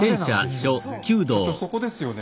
所長そこですよね。